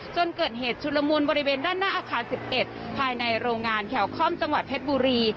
จนเกิดเหตุชุลมูลบริเวณด้านหน้าอาคาร๑๑ภายในโรงงานแถวค่อมจังหวัดเพชรบุรี